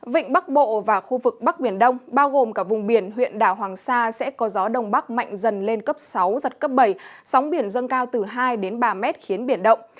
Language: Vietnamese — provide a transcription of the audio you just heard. vịnh bắc bộ và khu vực bắc biển đông bao gồm cả vùng biển huyện đảo hoàng sa sẽ có gió đông bắc mạnh dần lên cấp sáu giật cấp bảy sóng biển dâng cao từ hai ba mét khiến biển động